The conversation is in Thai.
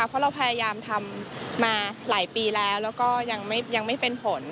เพราะเราพยายามทำมาหลายปีแล้วแล้วก็ยังไม่เป็นผล